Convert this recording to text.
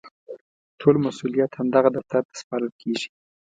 ټول مسوولیت همدغه دفتر ته سپارل کېږي.